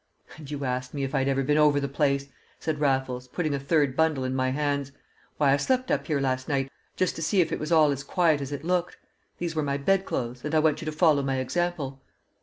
"And you asked me if I'd ever been over the place!" said Raffles, putting a third bundle in my hands. "Why, I slept up here last night, just to see if it was all as quiet as it looked; these were my bed clothes, and I want you to follow my example."